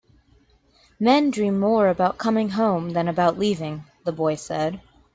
"Men dream more about coming home than about leaving," the boy said.